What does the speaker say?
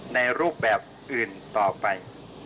ในรูปแบบอื่นต่อไป